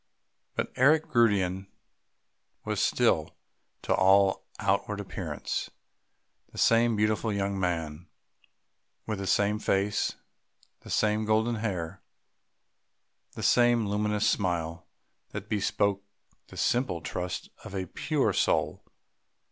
But Eric Gundian was still, to all outward appearance, the same beautiful young man, with the same face, the same golden hair, the same luminous smile that bespoke the simple trust of a pure soul....